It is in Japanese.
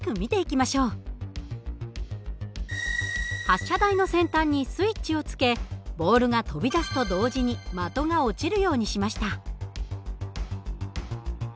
発射台の先端にスイッチを付けボールが飛び出すと同時に的が落ちるようにしました。